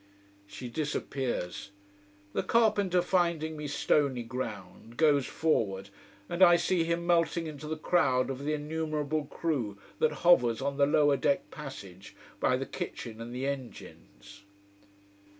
She disappears. The carpenter, finding me stony ground, goes forward, and I see him melting into the crowd of the innumerable crew, that hovers on the lower deck passage by the kitchen and the engines.